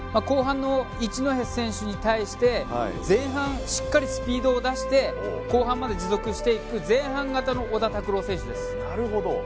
後半の一戸選手に対して前半しっかりスピードを出して後半まで持続していく前半型の小田卓朗選手です。